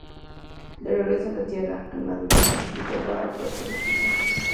De regreso a la Tierra, Armadura se reintegró al Cuerpo de Estudiantes.